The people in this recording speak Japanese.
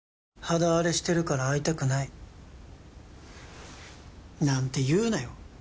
肌あれしてるから会いたくないなんて言うなよ